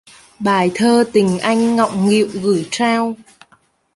Bài thơ tình anh ngọng nghịu gởi trao!?